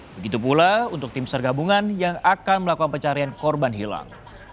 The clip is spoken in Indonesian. begitu pula untuk tim sergabungan yang akan melakukan pencarian korban hilang